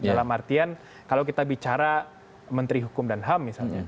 dalam artian kalau kita bicara menteri hukum dan ham misalnya